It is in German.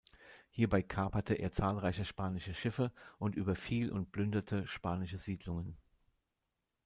Hierbei kaperte er zahlreiche spanische Schiffe und überfiel und plünderte spanische Siedlungen.